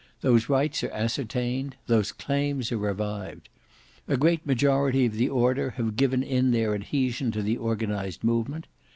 Those rights are ascertained; those claims are revived. A great majority of the Order have given in their adhesion to the organized movement.